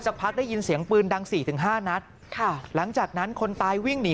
สักพักได้ยินเสียงปืนดัง๔๕นัดหลังจากนั้นคนตายวิ่งหนี